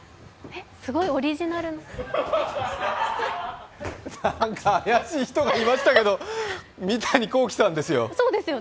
すごいオリジナルななんか怪しい人がいましたけど、三谷幸喜さんですよ。